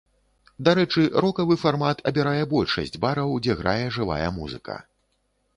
Дарэчы рокавы фармат абірае большасць бараў, дзе грае жывая музыка.